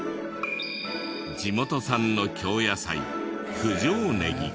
地元産の京野菜九条ねぎ。